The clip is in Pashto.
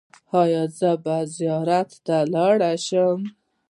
ایا زه به زیارت ته لاړ شم؟